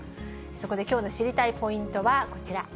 そこできょうの知りたいポイントはこちら。